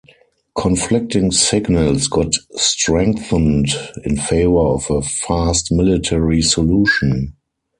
Conflicting signals got strengthened in favor of a fast military solution.